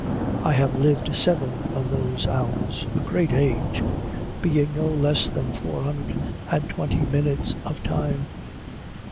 I have lived seven of those hours, a great age, being no less than four hundred and twenty minutes of time.